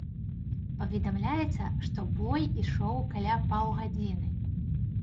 Паведамляецца, што бой ішоў каля паўгадзіны.